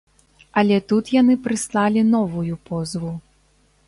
Але тут яны прыслалі новую позву.